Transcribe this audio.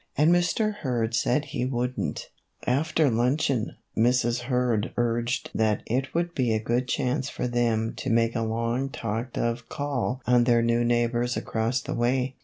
" And Mr. Hurd said he would n't. 102 MR. NURD'S HOLIDAY. After luncheon, Mrs. Hurd urged that it would be a good chance for them to make a long talked of call on their new neighbors across the way.